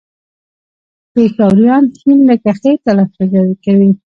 پېښوريان ښ لکه خ تلفظ کوي